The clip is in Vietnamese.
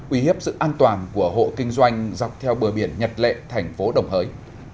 uy hiếp sự an toàn của hộ kinh doanh dọc theo bờ biển nhật lệ thành phố đồng hới